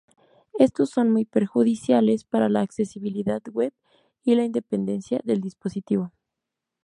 Estos son muy perjudiciales para la accesibilidad web y la independencia del dispositivo.